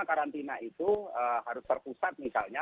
karantina itu harus terpusat misalnya